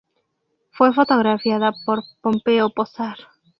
Fue fotografiada por Pompeo Posar.